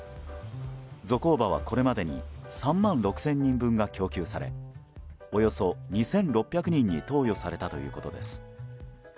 ゾコーバは、これまでに３万６０００人分が供給されおよそ２６００人に投与されたということです。